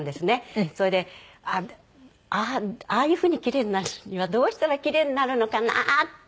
それでああいうふうに奇麗になるにはどうしたら奇麗になるのかなって。